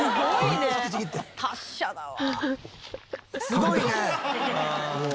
「すごいね！」